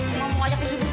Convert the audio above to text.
emang mau ajak ke hidup